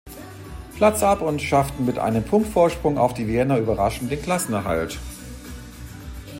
Platz ab und schafften mit einem Punkt Vorsprung auf die Vienna überraschend den Klassenerhalt.